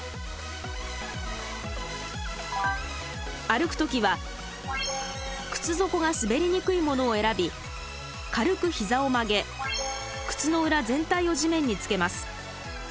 歩く時は靴底が滑りにくいものを選び軽く膝を曲げ靴の裏全体を地面につけます。